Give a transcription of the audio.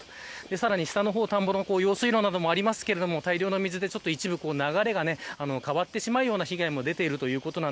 さらに、下の方には田んぼの用水路もありますが大量の水で一部、流れが変わる被害も出ています。